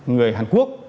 người hàn quốc